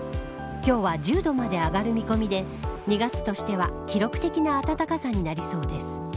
今日は１０度まで上がる見込みで２月としては記録的な暖かさになりそうです。